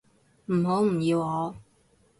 唔好唔要我